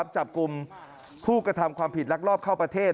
จับกลุ่มผู้กระทำความผิดลักลอบเข้าประเทศ